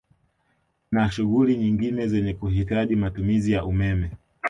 Na shughuli nyingine zenye kuhitaji matumizi ya umeme